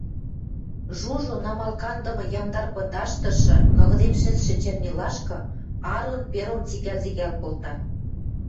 Жужо намал кандымы ямдар пындаштышы ныгыдем шӹцшӹ чернилашкы Арон пером цикӓл-цикӓл колта.